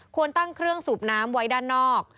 ควรตั้งเครื่องสูบน้ำไว้ด้านนอก